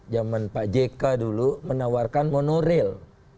zaman pak jk dulu menawarkan monorail